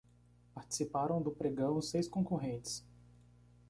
Participaram do pregão seis concorrentes